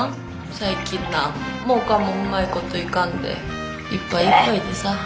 最近何もかもうまいこといかんでいっぱいいっぱいでさ。